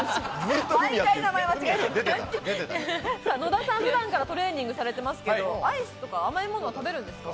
野田さん、普段からトレーニングされてますけど、アイスとか甘いものは食べるんですか？